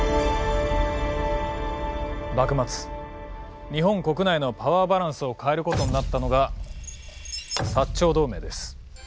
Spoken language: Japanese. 幕末日本国内のパワーバランスを変えることになったのが長同盟です。